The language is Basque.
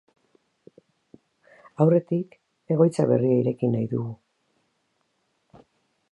Aurretik, egoitza berria ireki nahi dugu.